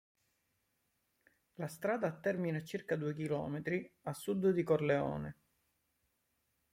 La strada ha termine a circa due chilometri a sud di Corleone.